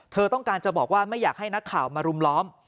เธอต้องการจะบอกว่าไม่อยากให้นักข่าวมารุมล้อม